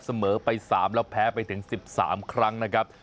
เสมอไป๓แล้วแพ้ไปถึง๑๓ครั้งนะครับ